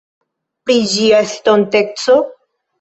Pri Ĝia estonteco?